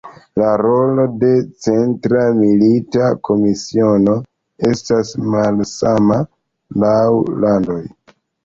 La rolo de Centra Milita Komisiono estas malsama laŭ landoj.